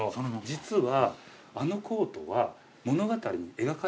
実は。